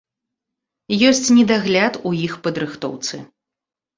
Ёсць недагляд у іх падрыхтоўцы.